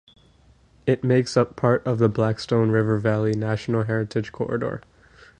It makes up part of the Blackstone River Valley National Heritage Corridor.